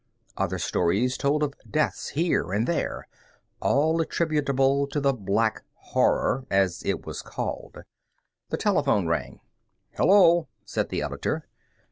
Other stories told of deaths here and there, all attributable to the "Black Horror," as it was called. The telephone rang. "Hello," said the editor.